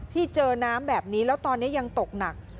ที่เจอน้ำแบบนี้แล้วตอนนี้ยังตกหนัก